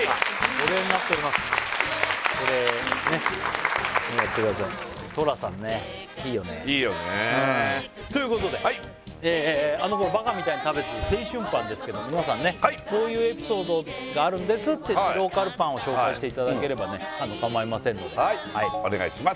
保冷ねっ寅さんねいいよねいいよねということであの頃バカみたいに食べた青春パンですけど皆さんねこういうエピソードがあるんですっていってローカルパンを紹介していただければねかまいませんのでお願いします